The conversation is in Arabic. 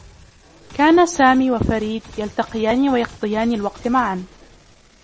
كانا سامي و فريد يلتقيان و يقضيان الوقت معا.